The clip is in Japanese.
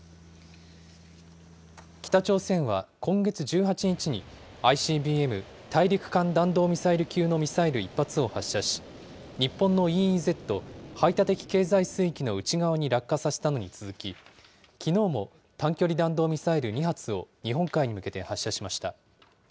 北朝鮮は今月１８日に、ＩＣＢＭ・大陸間弾道ミサイル級のミサイル１発を発射し、日本のＥＥＺ・排他的経済水域の内側に落下させたのに続き、きのうも短距離弾道ミサイル２発を日本海に向けて発射しました。